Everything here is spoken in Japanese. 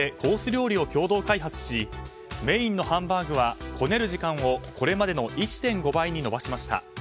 料理を共同開発しメインのハンバーグはこねる時間をこれまでの１．５倍に延ばしました。